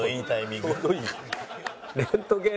レントゲン